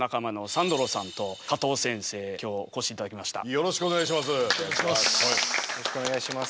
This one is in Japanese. よろしくお願いします。